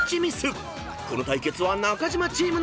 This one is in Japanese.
［この対決は中島チームの勝利］